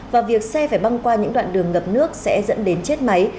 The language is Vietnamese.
và việc xe phải băng qua những đoạn đường ngập nước sẽ dẫn đến chết máy